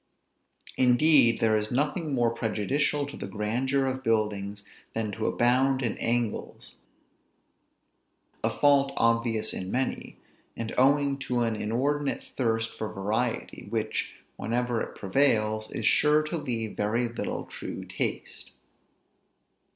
Indeed, there is nothing more prejudicial to the grandeur of buildings than to abound in angles; a fault obvious in many; and owing to an inordinate thirst for variety, which, whenever it prevails, is sure to leave very little true taste.